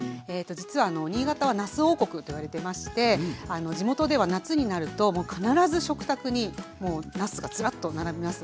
実は新潟は「なす王国」といわれてまして地元では夏になると必ず食卓になすがずらっと並びます。